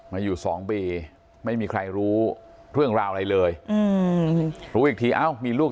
มาอยู่๒ปีไม่มีใครรู้เรื่องราวอะไรเลยรู้อีกทีเอ้ามีลูก